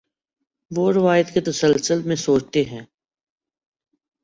وہ روایت کے تسلسل میں سوچتے ہیں۔